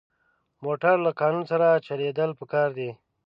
موټر له قانون سره چلېدل پکار دي.